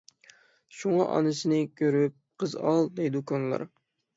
شۇڭا، «ئانىسىنى كۆرۈپ قىز ئال» دەيدۇ كونىلار.